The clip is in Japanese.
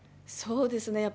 そうですね。